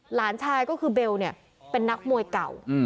หลานชายก็คือเบลเนี่ยเป็นนักมวยเก่า